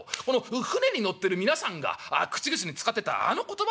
『船に乗ってる皆さんが口々に使ってたあの言葉じゃないか』と。